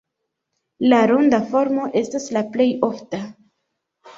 La ronda formo estas la plej ofta.